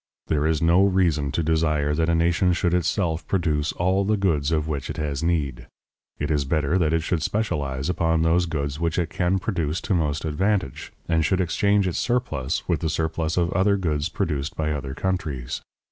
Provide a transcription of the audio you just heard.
There is no reason to desire that a nation should itself produce all the goods of which it has need; it is better that it should specialize upon those goods which it can produce to most advantage, and should exchange its surplus with the surplus of other goods produced by other countries.